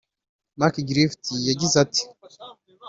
Mark Griffiths yagize ati